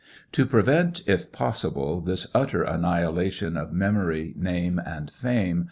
To prevent if possible this utter annihilation of memory, name, and fame.